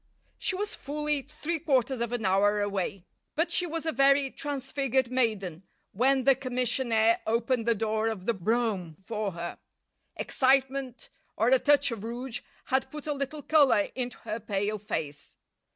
She was fully three quarters of an hour away, but she was a very transfigured maiden when the commissionaire opened the door of the brougham for her. Excitement, or a touch of rouge, had put a little colour into her pale face.